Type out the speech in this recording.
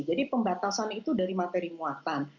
jadi pembatasan itu dari materi muatan